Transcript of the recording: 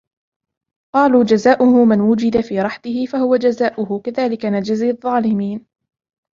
قَالُوا جَزَاؤُهُ مَنْ وُجِدَ فِي رَحْلِهِ فَهُوَ جَزَاؤُهُ كَذَلِكَ نَجْزِي الظَّالِمِينَ